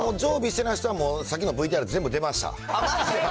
常備してた人はさっきのＶＴＲ全部出ました。